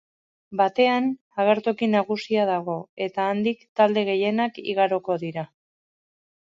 Batean agertoki nagusia dago eta handik talde gehienak igaroko dira.